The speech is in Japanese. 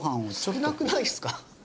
少なくないですか？